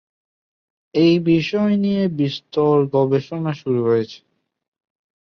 এই বিষয় নিয়ে বিস্তর গবেষণা শুরু হয়েছে।